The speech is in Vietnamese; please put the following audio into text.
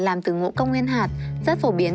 làm từ ngũ công nguyên hạt rất phổ biến